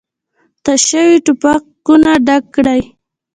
تش شوي ټوپکونه ډک کړئ!